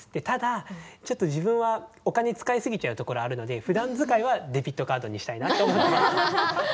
ただちょっと自分はお金使い過ぎちゃうところあるのでふだん使いはデビットカードにしたいなと思ってます。